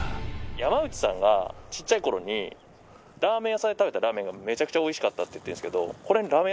山内さんがちっちゃい頃にラーメン屋さんで食べたラーメンがめちゃくちゃおいしかったって言ってるんですけど。